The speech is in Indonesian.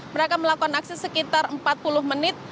mereka melakukan aksi sekitar empat puluh menit